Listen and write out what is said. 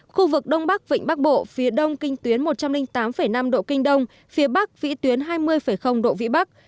khu vực đông bắc vịnh bắc bộ phía đông kinh tuyến một trăm linh tám năm độ kinh đông phía bắc vĩ tuyến hai mươi độ vĩ bắc